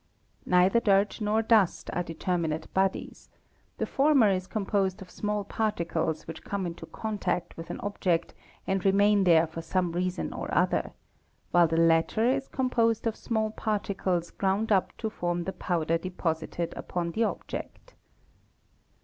Neither dirt nor dust 212, THE MICROSCOPIST are determinate bodies; the former is composed of small particles which — come into contact with an object and remain there for some reason or other; while the latter is composed of small particles ground up to form 'the powder deposited upon the object.